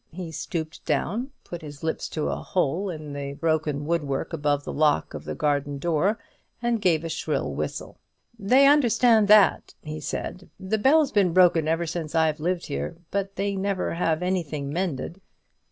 He stooped down, put his lips to a hole broken in the wood work above the lock of the garden door, and gave a shrill whistle. "They understand that," he said; "the bell's been broken ever since I've lived here, but they never have anything mended."